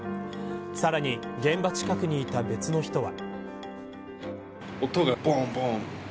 さらに現場近くにいた別の人は。